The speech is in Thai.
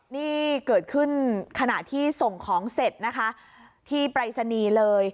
นี่เกิดขึ้นขณะที่ส่งของเสร็จนะคะที่ปรายศนีย์เลย